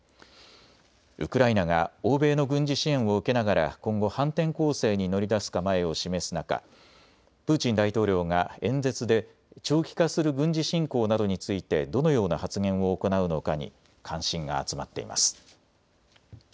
ウクライナが欧米の軍事支援を受けながら今後、反転攻勢に乗り出す構えを示す中、プーチン大統領が演説で長期化する軍事侵攻などについてどのような発言を行うのかに関心が集まっています。